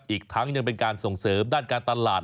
อีกทั้งยังเป็นการส่งเสริมด้านการตลาด